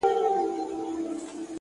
هوښیار انسان د تېروتنې تکرار نه کوي.!